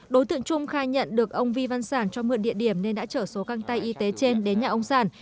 đối tượng trung khai nhận được ông vi văn sản cho mượn địa điểm nên đã chở số găng tay y tế trên đến nhà ông sản